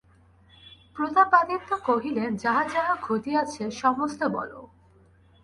প্রতাপাদিত্য কহিলেন, যাহা যাহা ঘটিয়াছে সমস্ত বলো।